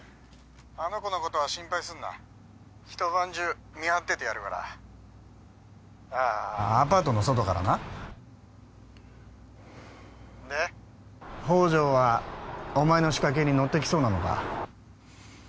☎あの子のことは心配すんな☎一晩中見張っててやるから☎ああアパートの外からな☎で宝条はお前の仕掛けに乗ってきそうなのか？